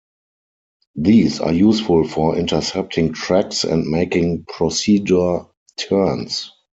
These are useful for intercepting tracks and making procedure turns.